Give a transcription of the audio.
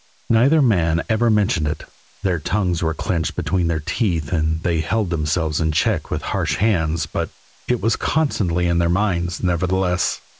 Neither man ever mentioned it their tongues were clenched between their teeth and they held themselves in check with harsh hands but it was constantly in their minds, nevertheless.